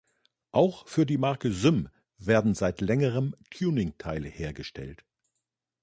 Auch für die Marke Sym werden seit längerem Tuningteile hergestellt.